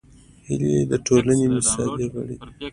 هیلۍ د ټولنې مثالي غړې ده